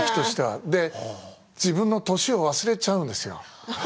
自分の年を忘れちゃうんですよ。